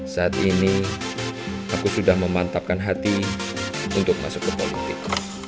saat ini aku sudah memantapkan hati untuk masuk ke politik